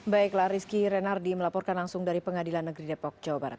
baiklah rizky renardi melaporkan langsung dari pengadilan negeri depok jawa barat